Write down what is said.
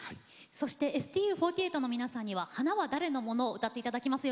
そしてＳＴＵ４８の皆さんは「花は誰のもの？」を歌っていただきます。